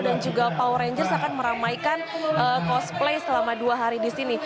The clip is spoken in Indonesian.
dan juga power rangers akan meramaikan cosplay selama dua hari di sini